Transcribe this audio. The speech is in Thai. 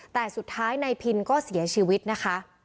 แต่สุดท้ายนายพินก็เสียชีวิตนะคะ